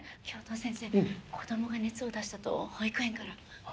教頭先生子供が熱を出したと保育園から。